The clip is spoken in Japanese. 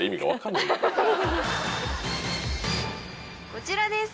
こちらです。